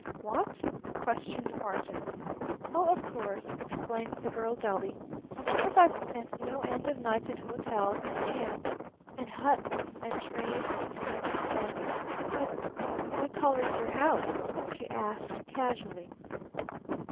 "What?" questioned Barton. "Oh, of course," explained the girl dully, "of course I've spent no end of nights in hotels and camps and huts and trains and steamers and But What color is your house?" she asked casually.